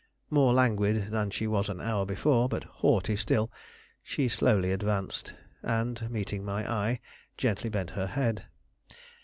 More languid than she was an hour before, but haughty still, she slowly advanced, and, meeting my eye, gently bent her head.